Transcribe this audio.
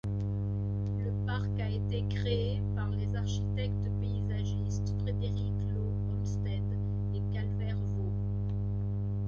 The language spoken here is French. Le parc a été créé par les architectes-paysagistes Frederick Law Olmsted et Calvert Vaux.